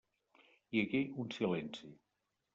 Hi hagué un silenci.